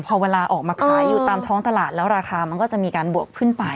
พอเวลาออกมาขายอยู่ตามท้องตลาดแล้วราคามันก็จะมีการบวกขึ้นไป